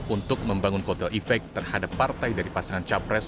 untuk membangun coattail effect terhadap partai dari pasangan capres